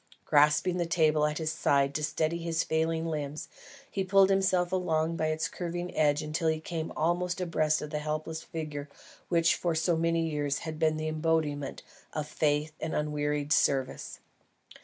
Grasping the table at his side to steady his failing limbs, he pulled himself along by its curving edge till he came almost abreast of the helpless figure which for so many years had been the embodiment of faithful and unwearied service.